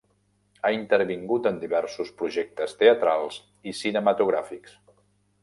Ha intervingut en diversos projectes teatrals i cinematogràfics.